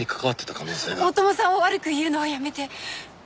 大友さんを悪く言うのはやめて！